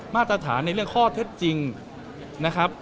มาตรฐานในเรื่องข้อเท็จจริงนะครับ